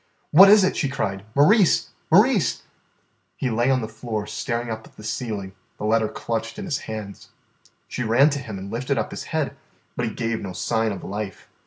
"What is it?" she cried. "Maurice! Maurice!" He lay on the floor staring up at the ceiling, the letter clutched in his hands. She ran to him and lifted up his head, but he gave no sign of life.